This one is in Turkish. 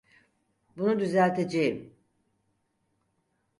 Bunu düzelteceğim.